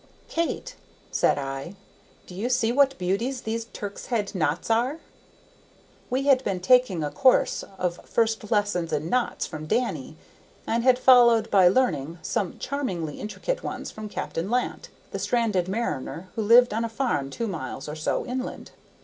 "Kate," said I, "do you see what beauties these Turk's head knots are?" We had been taking a course of first lessons in knots from Danny, and had followed by learning some charmingly intricate ones from Captain Lant, the stranded mariner who lived on a farm two miles or so inland.